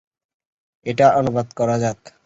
এটা অনুবাদ করা যাক।